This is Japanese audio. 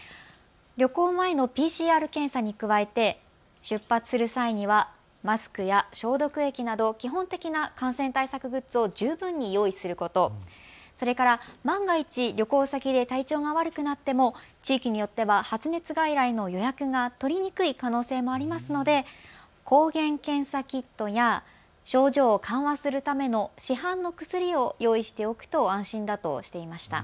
旅行前のＰＣＲ検査に加えて出発する際にはマスクや消毒液など基本的な感染対策グッズを十分に用意すること、それから万が一旅行先で体調が悪くなっても地域によっては発熱外来の予約が取りにくい可能性もありますので抗原検査キットや症状を緩和するための市販の薬を用意しておくと安心だとしていました。